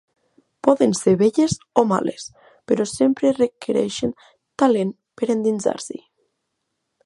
Poden ser belles o males, però sempre requereix tenir talent per endinsar-s'hi.